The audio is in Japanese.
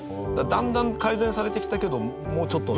だんだん改善されてきたけどもうちょっと。